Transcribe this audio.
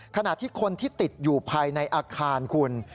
ขณะที่คนที่ติดอยู่ภายในอาคารคุณ